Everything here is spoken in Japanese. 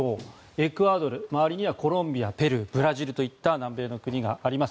エクアドル、周りにはコロンビア、ペルーブラジルといった南米の国があります。